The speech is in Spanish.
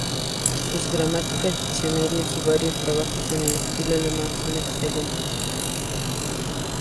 Sus gramáticas, diccionarios y varios trabajos en el estilo alemán son excelentes.